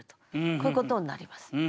こういうことになります。